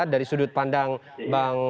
dari sudut pandang bang